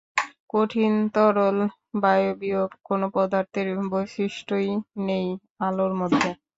কঠিন, তরল, বায়বীয় কোনো পদার্থের বৈশিষ্ট্যই নেই আলোর মধ্যে।